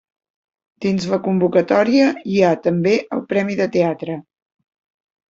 Dins la convocatòria hi ha, també, el premi de teatre.